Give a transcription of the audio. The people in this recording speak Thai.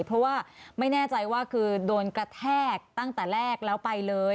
เพราะว่าไม่แน่ใจว่าคือโดนกระแทกตั้งแต่แรกแล้วไปเลย